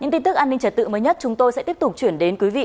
những tin tức an ninh trật tự mới nhất chúng tôi sẽ tiếp tục chuyển đến quý vị